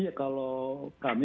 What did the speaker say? diputuskan selama beberapa tahun